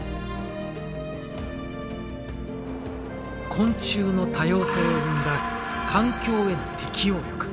昆虫の多様性を生んだ環境への適応力。